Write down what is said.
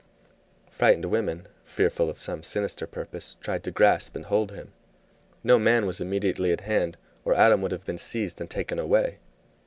Frightened women, fearful of some sinister purpose, tried to grasp and hold him. No man was immediately at hand, or Adam would have been seized and taken away.